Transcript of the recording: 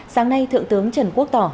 sáng nay thượng tướng trần quốc tỏ